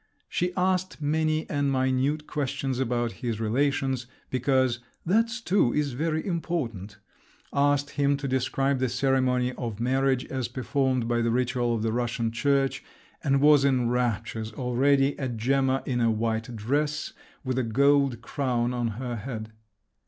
She asked many and minute questions about his relations, because "that too is very important"; asked him to describe the ceremony of marriage as performed by the ritual of the Russian Church, and was in raptures already at Gemma in a white dress, with a gold crown on her head.